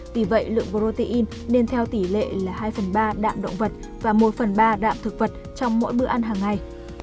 vì vậy lượng protein nên theo tỷ lệ là hai phần ba đạm động vật và một phần ba đạm thực vật trong mỗi bữa ăn hàng ngày